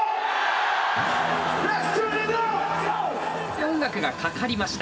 音楽がかかりました。